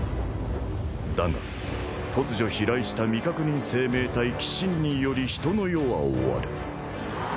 だが突如飛来した未確認生命体鬼神により人の世は終わる。